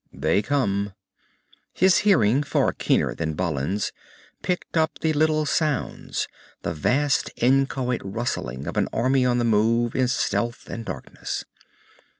"They come." His hearing, far keener than Balin's, picked up the little sounds, the vast inchoate rustling of an army on the move in stealth and darkness.